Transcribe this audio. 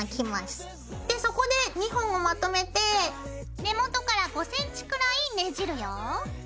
でそこで２本をまとめて根元から５ｃｍくらいねじるよ。